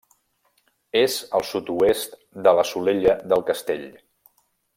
És al sud-oest de la Solella del Castell.